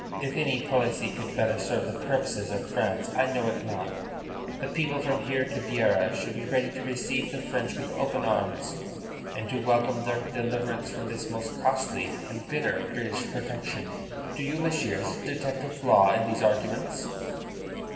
If any policy could better serve the purposes of France, I know it not. The people from here to Beira should be ready to receive the French with open arms, and to welcome their deliverance from this most costly and bitter British protection. "Do you, Messieurs, detect a flaw in these arguments?"